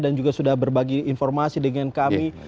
dan juga sudah berbagi informasi dengan kami